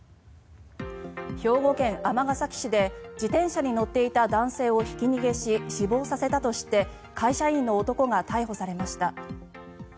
兵庫県尼崎市で自転車に乗っていた男性をひき逃げし、死亡させたとして会社員の男が逮捕されました。